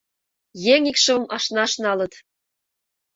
Еҥ икшывым ашнаш налыт.